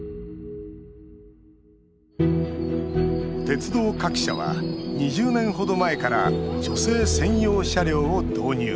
鉄道各社は２０年ほど前から女性専用車両を導入。